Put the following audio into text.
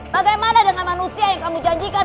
bagaimana dengan manusia yang kamu janjikan